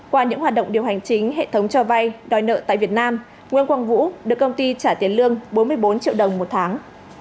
qua những hoạt động điều hành chính hệ thống cho vay đòi nợ tại việt nam nguyễn quang vũ được công ty trả tiền lương bốn mươi bốn triệu đồng một tháng